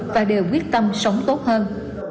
và đều quyết tâm sống tốt hơn